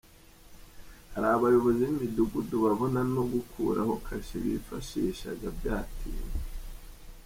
Hari abayobozi b’imidugudu babona ko gukuraho kashi bifashishaga byatinze